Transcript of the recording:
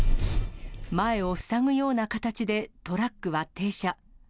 前を塞ぐような形で、トラックは停車。